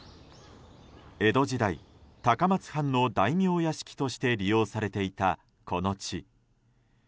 江戸時代、高松藩の大名屋敷として利用されていたこの地。